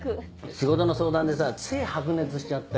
仕事の相談でさつい白熱しちゃって。